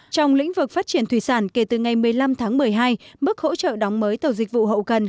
trong lĩnh vực phát triển thủy sản kể từ ngày một mươi năm tháng một mươi hai mức hỗ trợ đóng mới tàu dịch vụ hậu cần